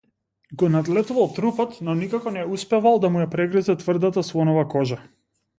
Го надлетувал трупот, но никако не успевал да му ја прегризе тврдата слонова кожа.